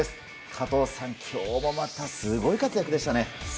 加藤さん、今日もまたすごい活躍でしたね。